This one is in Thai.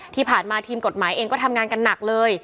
ที่ผ่านมาทีมกฎหมายเองก็ทำงานกันหนักเลย